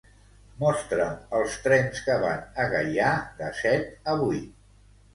Mostra'm els trens que van a Gaià de set a vuit.